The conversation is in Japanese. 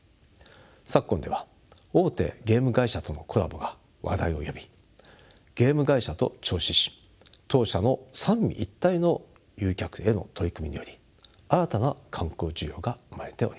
昨今では大手ゲーム会社とのコラボが話題を呼びゲーム会社と銚子市当社の三位一体の誘客への取り組みにより新たな観光需要が生まれております。